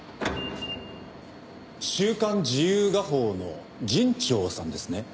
『週刊自由画報』の長さんですね？